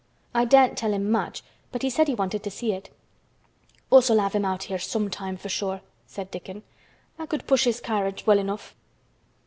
I daren't tell him much but he said he wanted to see it." "Us'll have him out here sometime for sure," said Dickon. "I could push his carriage well enough.